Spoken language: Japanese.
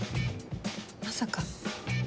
まさか。